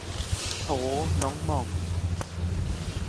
โถ้น้องหม่อง